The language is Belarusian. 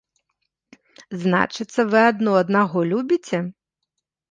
Значыцца, вы адно аднаго любіце?